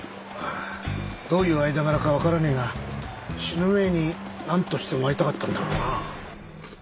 ああどういう間柄か分からねえが死ぬ前に何としても会いたかったんだろうなぁ。